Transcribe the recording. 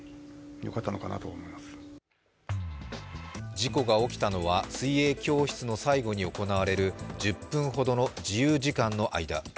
事故が起きたのは、水泳教室の最後に行われる１０分ほどの自由時間の間。